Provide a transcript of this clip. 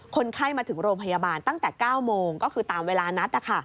คนไข้มาถึงโรงพยาบาลตั้งแต่๙โมงก็คือตามเวลานัด